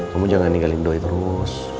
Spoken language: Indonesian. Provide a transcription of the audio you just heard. kamu jangan ninggalin doi terus